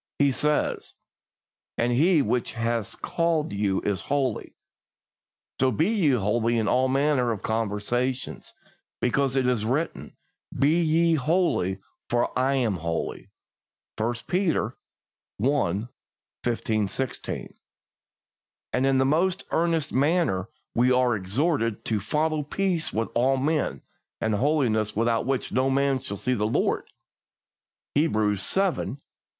He says: "As He which hath called you is holy, so be ye holy in all manner of conversation; because it is written, Be ye holy, for I am holy" (1 Peter i. 15, 16). And in the most earnest manner we are exhorted to "follow peace with all men, and holiness, without which no man shall see the Lord" (Hebrews xii. 14).